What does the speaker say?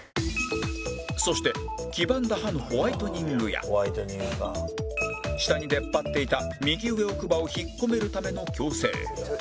そして黄ばんだ歯のホワイトニングや下に出っ張っていた右上奥歯を引っ込めるための矯正